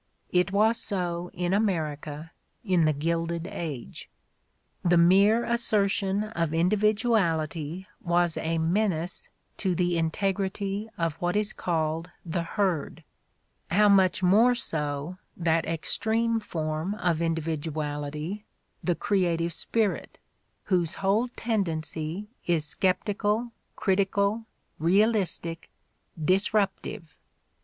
It was so in America, in the Gilded Age. The mere assertion of individuality was a menace to the integrity of what is called the herd: how much more so that extreme form of individuality, the creative spirit, whose whole tendency is sceptical, critical, realistic, disruptive